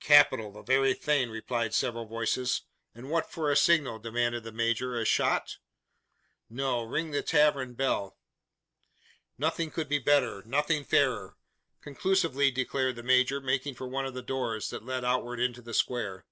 "Capital! the very thing!" replied several voices. "And what for a signal?" demanded the major. "A shot?" "No. Ring the tavern bell!" "Nothing could be better nothing fairer," conclusively declared the major, making for one of the doors, that led outward into the square.